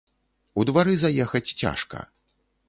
У двары заехаць цяжка.